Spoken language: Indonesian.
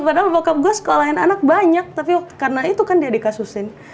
padahal rokap gos kealahan anak banyak tapi karena itu kan dia dikasusin